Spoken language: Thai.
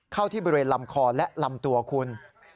เข้าที่บริเวณลำคอและลำตัวคุณ